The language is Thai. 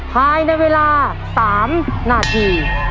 ภายในเวลา๓นาที